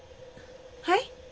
はい？